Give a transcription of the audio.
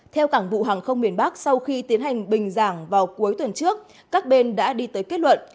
theo cảng vụ hàng không miền bắc sau khi tiến hành bình giảng vào cuối tuần trước các bên đã đi tới kết luận